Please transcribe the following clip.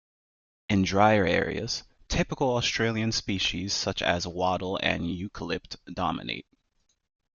In the drier areas, typical Australian species such as wattle and eucalypt dominate.